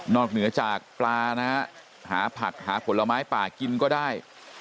เหนือจากปลานะฮะหาผักหาผลไม้ป่ากินก็ได้